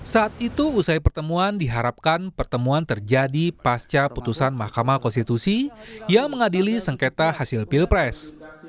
saat itu usai pertemuan diharapkan pertemuan terjadi pasca putusan mahkamah konstitusi yang mengadili sengketa hasil pilpres